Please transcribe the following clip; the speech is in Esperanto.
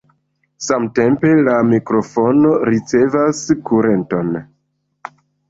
Samtempe la mikrofono ricevas kurenton.